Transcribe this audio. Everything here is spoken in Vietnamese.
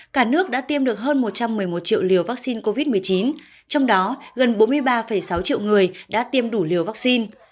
cả nước đã tiêm được hơn một trăm một mươi một triệu liều vắc xin covid một mươi chín trong đó gần bốn mươi ba sáu triệu người đã tiêm đủ liều vắc xin